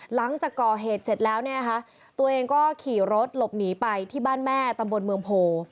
หลังจากก่อเหตุเสร็จแล้วเนี่ยนะคะตัวเองก็ขี่รถหลบหนีไปที่บ้านแม่ตำบลเมืองโพ